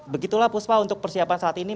begitulah puspa untuk persiapan saat ini